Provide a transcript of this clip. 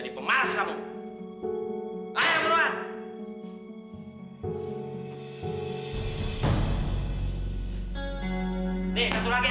gimana ini semua tungguin sini